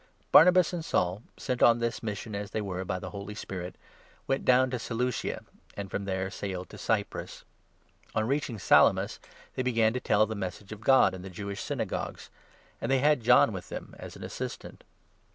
Paul and Barnabas and Saul, sent on this mission, as 4 Barnabas at they were, by the Holy Spirit, went down to Cyprus. Seleucia, and from there sailed to Cyprus. On 5 reaching Salamis, they began to tell the Message of God in the Jewish Synagogues ; and they had John with them as an assistant.